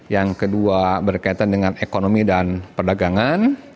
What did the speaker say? yang kedua berkaitan dengan ekonomi dan perdagangan